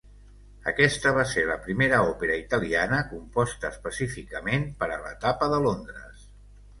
Aquesta va ser la primera òpera italiana composta específicament per a l'etapa de Londres.